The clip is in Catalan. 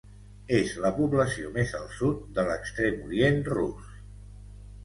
És la població més al sud de l'Extrem Orient Rus.